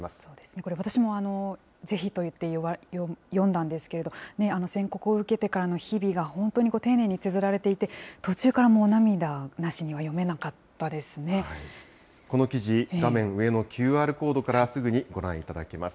これ、私もぜひといって読んだんですけど、宣告を受けてからの日々が、本当に丁寧につづられていて、途中からもう、涙なしには読めなかこの記事、画面上のＱＲコードからすぐにご覧いただけます。